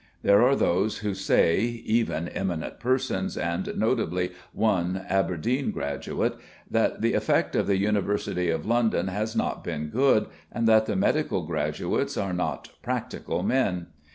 There are those who say (even eminent persons, and notably one Aberdeen graduate) that the effect of the University of London has not been good, and that the medical graduates are not "practical" men.